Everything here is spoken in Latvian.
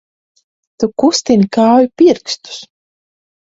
Tu kustini kāju pirkstus!